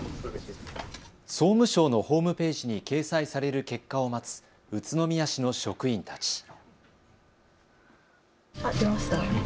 総務省のホームページに掲載される結果を待つ宇都宮市の職員たち。